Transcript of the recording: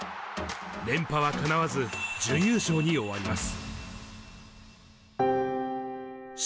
連覇はかなわず、準優勝に終わります。